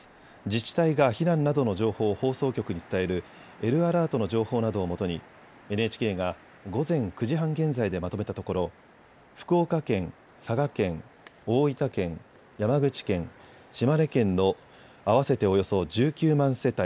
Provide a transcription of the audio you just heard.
自治体が避難などの情報を放送局に伝えるＬアラートの情報などを基にＮＨＫが午前９時半現在でまとめたところ、福岡県、佐賀県、大分県、山口県島根県の合わせておよそ１９万世帯